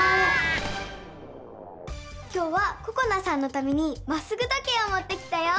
今日はここなさんのためにまっすぐ時計をもってきたよ！